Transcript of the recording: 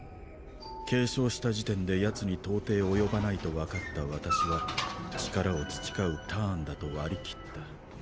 継承した時点で奴に到底及ばないとわかった私は力を培うターンだと割り切った。